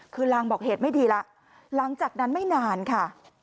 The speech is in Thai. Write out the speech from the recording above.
คือลางบอกเหตุไม่ดีแล้วหลังจากนั้นไม่นานค่ะ